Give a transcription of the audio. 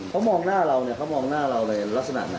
เขามองหน้าเราเนี่ยเขามองหน้าเราเลยลักษณะไหน